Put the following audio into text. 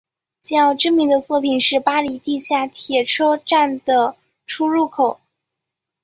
较知名的作品是巴黎地下铁车站的出入口。